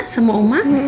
sama om baik